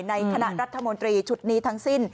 ในคณะรัฐมนตรีชุดนี้ทั้งสิ้น